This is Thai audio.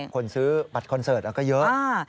คนซื้อบัตรคอนเสิร์ตก็เยอะ